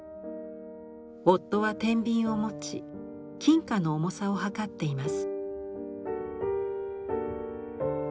夫はてんびんを持ち金貨の重さを量っています。